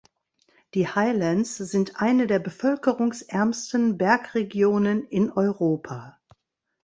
Die Highlands sind eine der bevölkerungsärmsten Bergregionen in Europa.